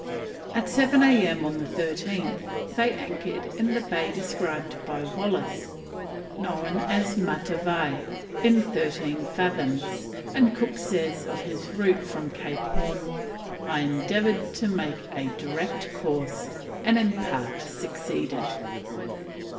At 7 A.M. on the 13th they anchored in the bay described by Wallis, known as Matavai, in thirteen fathoms, and Cook says of his route from Cape Horn, "I Endeavoured to make a direct course, and in part succeeded."